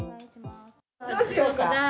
どうしようかなぁ。